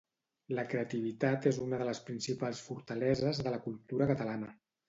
La creativitat és una de les principals fortaleses de la cultura catalana.